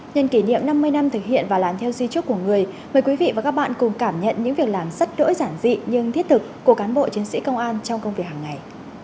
nhân kỷ niệm năm mươi năm thực hiện và làm theo di trúc của người mời quý vị và các bạn cùng cảm nhận những việc làm rất đỗi giản dị nhưng thiết thực của cán bộ chiến sĩ công an trong công việc hàng ngày